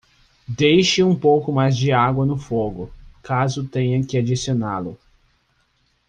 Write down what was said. Deixe um pouco mais de água no fogo, caso tenha que adicioná-lo.